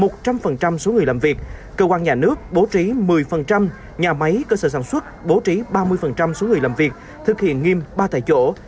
một trăm linh số người làm việc cơ quan nhà nước bố trí một mươi nhà máy cơ sở sản xuất bố trí ba mươi số người làm việc thực hiện nghiêm ba tại chỗ